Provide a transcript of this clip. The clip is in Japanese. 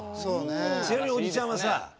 ちなみにおじちゃんはさ